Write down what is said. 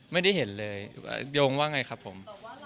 ไม่ได้เห็นเลยว่าโยงว่าไงครับผม